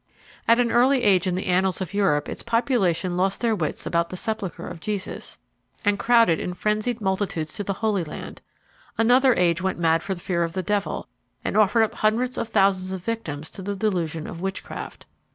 At an early age in the annals of Europe its population lost their wits about the sepulchre of Jesus, and crowded in frenzied multitudes to the Holy Land; another age went mad for fear of the devil, and offered up hundreds of thousands of victims to the delusion of witchcraft.